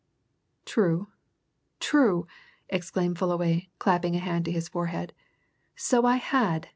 "True true!" exclaimed Fullaway, clapping a hand to his forehead. "So I had!